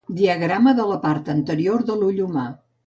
Diagrama de la part anterior de l'ull humà.